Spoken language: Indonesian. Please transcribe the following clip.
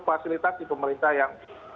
fasilitasi pemerintah yang